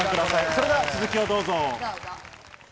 それでは続きをどうぞ。